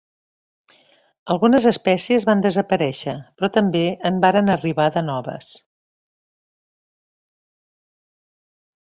Algunes espècies van desaparèixer, però també en varen arribar de noves.